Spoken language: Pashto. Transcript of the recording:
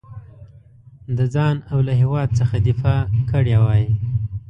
د ځان او له هیواد څخه دفاع کړې وای.